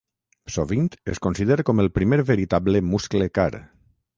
Sovint es considera com el primer veritable Muscle car.